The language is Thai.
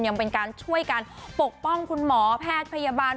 ยังเป็นการช่วยกันปกป้องคุณหมอแพทย์พยาบาล